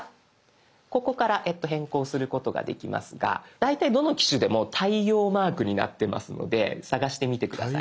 ここから変更することができますが大体どの機種でも太陽マークになってますので探してみて下さい。